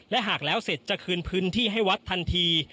และหากแล้วเสร็จจะคืนพื้นที่ให้วัดทันที